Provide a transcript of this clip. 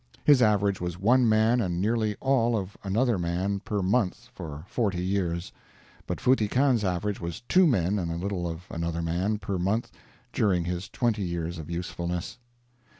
His average was one man and nearly all of another man per month for forty years, but Futty Khan's average was two men and a little of another man per month during his twenty years of usefulness.